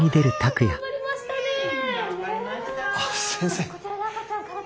あっ先生。